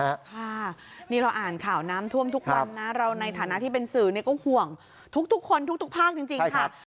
ค่ะนี่เราอ่านข่าวน้ำท่วมทุกวันนะเราในฐานะที่เป็นสื่อเนี่ยก็ห่วงทุกคนทุกภาคจริงค่ะ